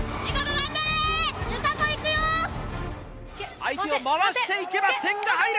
相手を回していけば、点が入る。